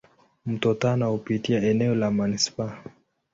Mto Tana hupitia eneo la manispaa.